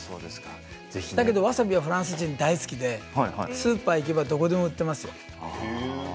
だけど、わさびはフランス人が大好きでスーパーに行けばどこでも売ってますよ。